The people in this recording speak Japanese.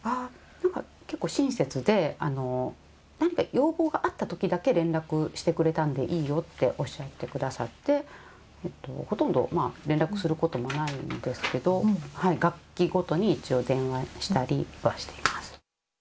なんか結構、親切で、何か要望があったときだけ連絡してたんでいいよっておっしゃってくださって、ほとんど連絡することもないんですけど、学期ごとに一応電話したりはしています。